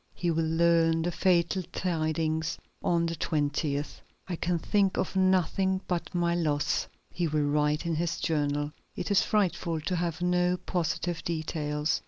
He will learn the fatal tidings on the 20th. "I can think of nothing but my loss," he will write in his journal. "It is frightful to have no positive details.